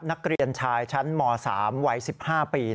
นักเรียนชายชั้นม๓วัย๑๕ปี